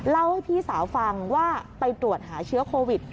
เล่าให้พี่สาวฟังว่าไปตรวจหาเชื้อโควิด